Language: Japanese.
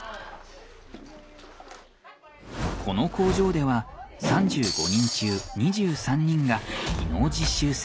この工場では３５人中２３人が技能実習生。